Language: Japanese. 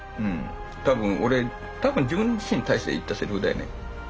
多分俺多分自分自身に対して言ったセリフだよね。